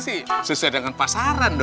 sesuai dengan pasaran